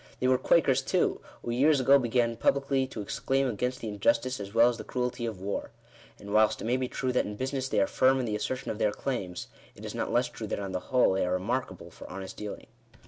They were Quakers too, who years ago began publicly to exclaim against the injustice as well as the cruelty of war. And, whilst it may be true that in business they are firm in the assertion of their claims, it is not less true that on the whole they are re markable for honest dealing.